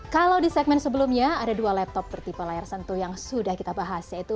kalau di segmen sebelumnya ada dua laptop bertipe layar sentuh yang sudah kita bahas yaitu